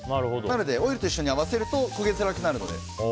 オイルと一緒に合わせると焦げづらくなるので。